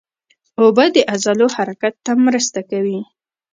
اوبه د عضلو حرکت ته مرسته کوي